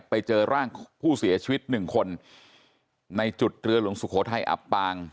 ไปเจอร่างผู้เสียชีวิตหนึ่งคนในจุดเรือหลวงสุโขทัยอับปาง